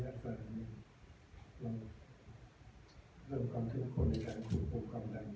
เราเริ่มคำถึงคนในการคุมภูมิคำแรง